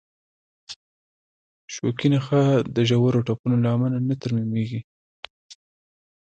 شوکي نخاع د ژورو ټپونو له امله نه ترمیمېږي.